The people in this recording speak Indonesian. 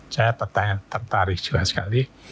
saya tertarik juga sekali